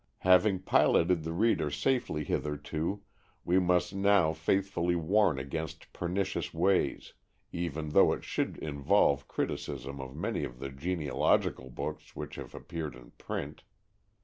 Having piloted the reader safely hitherto, we must now faithfully warn against pernicious ways, even though it should involve criticism of many of the genealogical books which have appeared in print.